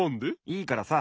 いいからさ。